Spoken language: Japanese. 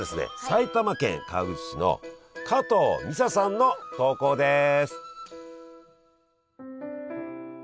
埼玉県川口市の加藤美沙さんの投稿です。